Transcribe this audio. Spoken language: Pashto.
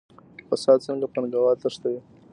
فساد څنګه پانګوال تښتوي؟